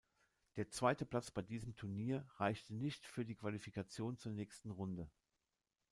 Der zweite Platz bei diesem Turnier reichte nicht für die Qualifikation zur nächsten Runde.